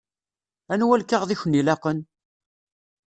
Anwa lkaɣeḍ i ken-ilaqen?